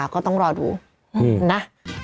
ก็ต้องรอดูนะ